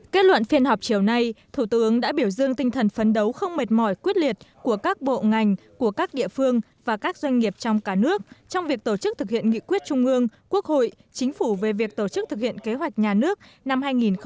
kết luận phiên họp chiều nay thủ tướng đã biểu dương tinh thần phấn đấu không mệt mỏi quyết liệt của các bộ ngành của các địa phương và các doanh nghiệp trong cả nước trong việc tổ chức thực hiện nghị quyết trung ương quốc hội chính phủ về việc tổ chức thực hiện kế hoạch nhà nước năm hai nghìn một mươi chín